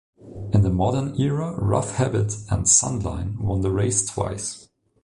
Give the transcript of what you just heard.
In the modern era Rough Habit and Sunline won the race twice.